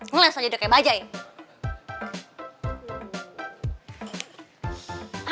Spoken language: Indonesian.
ngeles aja deh kayak bajaj